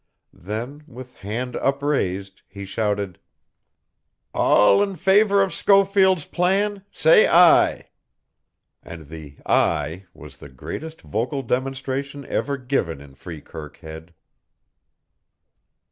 Then, with hand upraised, he shouted: "All in favor of Schofield's plan say ay!" And the "ay" was the greatest vocal demonstration ever given in Freekirk Head.